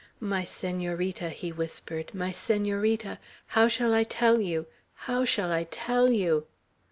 "My Senorita!" he whispered, "my Senorita! how shall I tell you! How shall I tell you!"